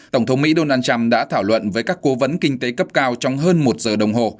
tổng thống mỹ donald trump đã thảo luận với các cố vấn kinh tế cấp cao trong hơn một giờ đồng hồ